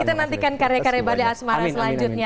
kita nantikan karya karya badai asmara selanjutnya